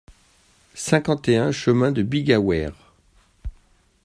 cinquante et un chemin de Bigaoudère